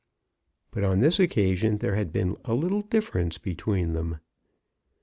But on this occasion there had been a little difference between them.